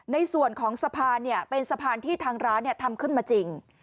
ในส่วนของสะพานเป็นสะพานที่ทางร้านทำขึ้นมาจริง